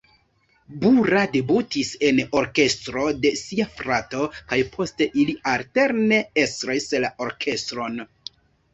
Bura debutis en orkestro de sia frato kaj poste ili alterne estris la orkestron.